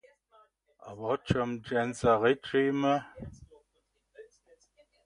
A wo čim dźensa rěčimy?